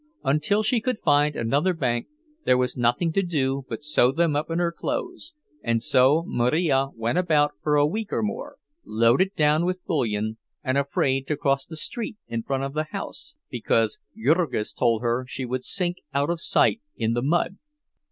Until she could find another bank there was nothing to do but sew them up in her clothes, and so Marija went about for a week or more, loaded down with bullion, and afraid to cross the street in front of the house, because Jurgis told her she would sink out of sight in the mud.